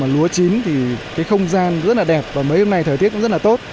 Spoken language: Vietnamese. lúa chín thì cái không gian rất là đẹp và mấy hôm nay thời tiết cũng rất là tốt